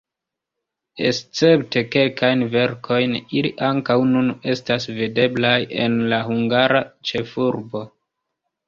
Escepte kelkajn verkojn ili ankaŭ nun estas videblaj en la hungara ĉefurbo.